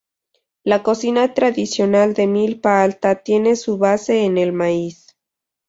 La cocina tradicional de Milpa Alta tiene su base en el maíz.